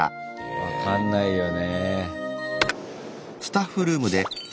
分かんないよね。